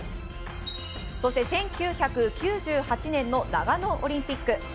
そして１９９８年の長野オリンピック。